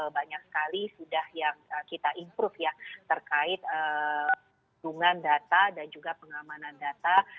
banyak sekali sudah yang kita improve ya terkait dengan data dan juga pengamanan data